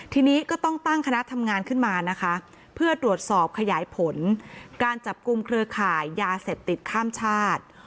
ทีนี้ก็ต้องตั้งคณะทำงานขึ้นมานะคะเพื่อตรวจสอบขยายผลการจับกลุ่มเครือข่ายยาเสพติดข้ามชาติ